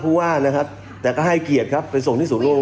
ผู้ว่านะครับแต่ก็ให้เกียรติครับไปส่งที่ศูนโลก